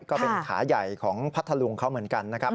ก็เป็นขาใหญ่ของพัทธลุงเขาเหมือนกันนะครับ